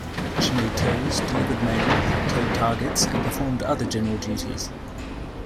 She made tows, delivered mail, towed targets, and performed other general duties.